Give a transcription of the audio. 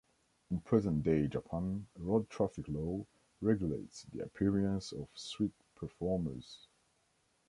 In present-day Japan, Road Traffic Law regulates the appearance of street performers.